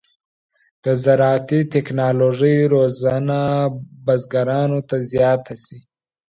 د زراعتي تکنالوژۍ روزنه بزګرانو ته زیاته شي.